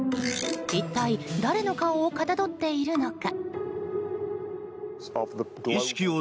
一体、誰の顔をかたどっているのか。